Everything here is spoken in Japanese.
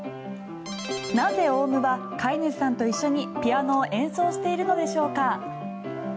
なぜオウムは飼い主さんと一緒にピアノを演奏しているのでしょうか。